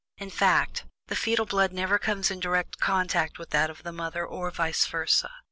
In fact, the fetal blood never comes in direct contact with that of the mother, or vice versa.